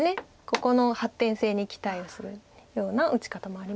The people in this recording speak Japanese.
ここの発展性に期待をするような打ち方もありますし。